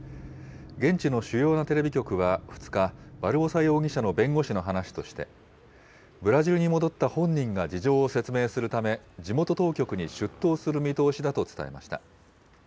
現地の主要なテレビ局は２日、バルボサ容疑者の弁護士の話として、ブラジルに戻った本人が事情を説明するため、地元当局に出頭する見通しだと伝えました。